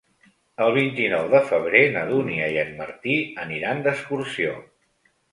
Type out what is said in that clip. El vint-i-nou de febrer na Dúnia i en Martí aniran d'excursió.